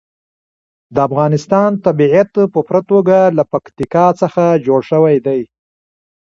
د افغانستان طبیعت په پوره توګه له پکتیکا څخه جوړ شوی دی.